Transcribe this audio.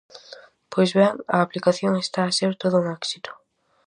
Pois ben, a aplicación está a ser todo un éxito.